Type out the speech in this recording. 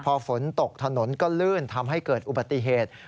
พอฝนตกถนนก็ลื่นทำให้เกิดอุบัติเหตุ